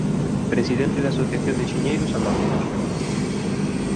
Presidente da Asociación de Enxeñeiros Agrónomos.